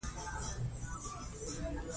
هغه لاس تړلی کس وپېژنده چې د معشوقې قاتل یې و